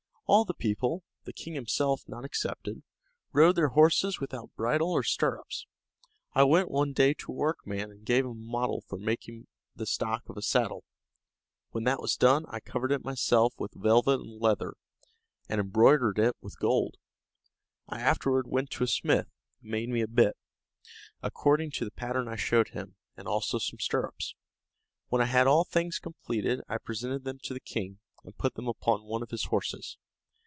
All the people, the king himself not excepted, rode their horses without bridle or stirrups. I went one day to a workman, and gave him a model for making the stock of a saddle. When that was done, I covered it myself with velvet and leather, and embroidered it with gold. I afterward went to a smith, who made me a bit, according to the pattern I showed him, and also some stirrups. When I had all things completed, I presented them to the king, and put them upon one of his horses.